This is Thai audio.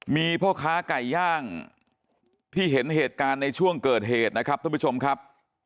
มีพ่อค้าไก่ย่างที่เห็นเหตุการณ์ในช่วงเกิดเหตุนะครับท่านผู้ชมครับ